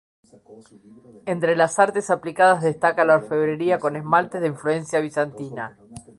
Entre las artes aplicadas, destaca la orfebrería, con esmaltes de influencia bizantina.